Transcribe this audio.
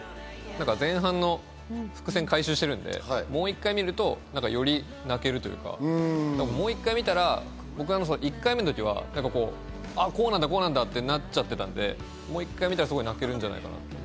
前半の伏線を回収してるんで、もう一回見るとより泣けるというか、もう１回見たら、僕は１回目の時はあぁ、こうなんだ、こうなんだってなっちゃってたんで、もう１回見たら泣けるんじゃないかなと。